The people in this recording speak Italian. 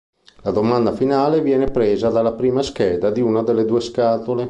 La domanda finale viene presa dalla prima scheda di una delle due scatole.